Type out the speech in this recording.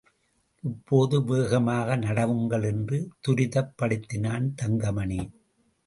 இப்போது வேகமாக நடவுங்கள் என்று துரிதப்படுத்தினான் தங்கமணி.